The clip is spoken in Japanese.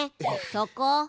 そこ？